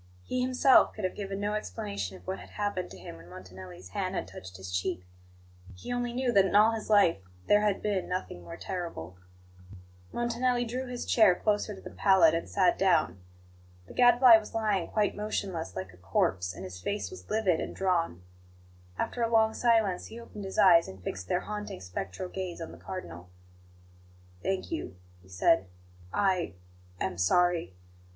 He himself could have given no explanation of what had happened to him when Montanelli's hand had touched his cheek; he only knew that in all his life there had been nothing more terrible. Montanelli drew his chair closer to the pallet and sat down. The Gadfly was lying quite motionless, like a corpse, and his face was livid and drawn. After a long silence, he opened his eyes, and fixed their haunting, spectral gaze on the Cardinal. "Thank you," he said. "I am sorry.